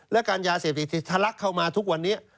และการยาเสพติดที่ทะลักเข้ามาทุกวันนี้